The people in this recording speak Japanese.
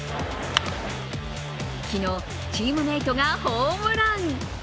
昨日、チームメートがホームラン。